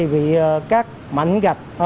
vì các mảnh gạch